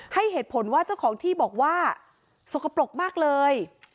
ให้เหตุผลว่าเจ้าของที่บอกว่าสกปรกมากเลย